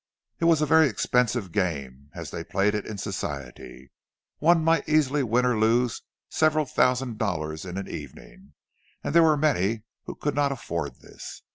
It was a very expensive game, as they played it in Society; one might easily win or lose several thousand dollars in an evening, and there were many who could not afford this.